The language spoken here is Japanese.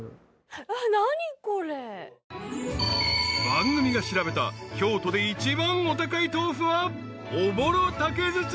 ［番組が調べた京都で一番お高い豆腐は］